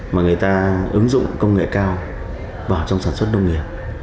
mà người ta ứng dụng công nghệ cao vào trong sản xuất nông nghiệp